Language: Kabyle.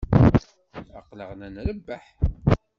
Aql-aɣ la nrebbeḥ.